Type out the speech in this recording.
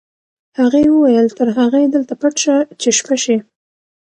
هغې وویل تر هغې دلته پټ شه چې شپه شي